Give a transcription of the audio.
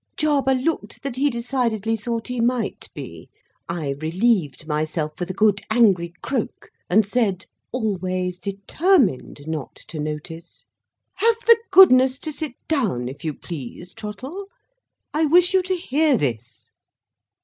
Jarber looked that he decidedly thought he might be. I relieved myself with a good angry croak, and said—always determined not to notice: "Have the goodness to sit down, if you please, Trottle. I wish you to hear this."